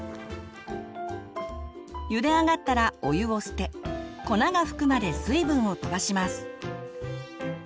ゆであがったらお湯を捨て粉がふくまで水分を飛ばします。